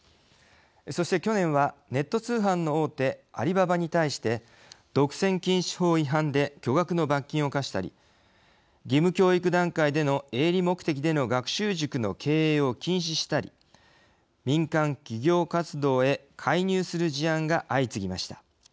そして、去年はネット通販の大手アリババに対して独占禁止法違反で巨額の罰金を科したり義務教育段階での営利目的での学習塾の経営を禁止したり民間企業活動へ介入する事案が相次ぎました。